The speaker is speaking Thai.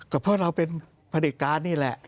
ก็เพราะเราเป็นพนิกานี่แหละ